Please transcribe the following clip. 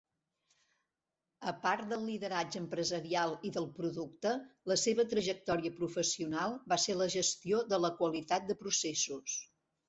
A part del lideratge empresarial i del producte, la seva trajectòria professional va ser la gestió de la qualitat de processos.